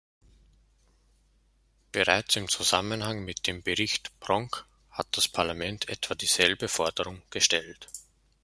Bereits im Zusammenhang mit dem Bericht Pronk hat das Parlament etwa dieselbe Forderung gestellt.